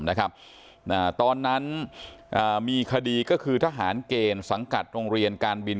นะครับอ่าตอนนั้นอ่ามีคดีก็คือทหารเกณฑ์สังกัดโรงเรียนการบิน